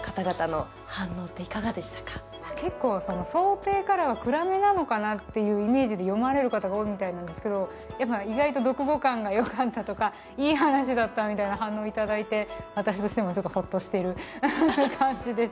結構、装丁からは暗めなのかなと思って読み始める方が多いみたいなんですけど、意外と読後感がよかったとか、いい話だったみたいな反応をいただいて私としてもちょっとホッとしている感じです。